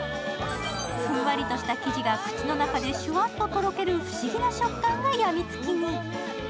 ふんわりとした生地が口の中でシュワッととろける不思議な食感が病みつきに。